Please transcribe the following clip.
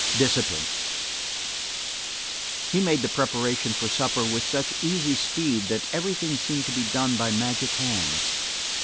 Discipline He made the preparation for supper with such easy speed that everything seemed to be done by magic hands.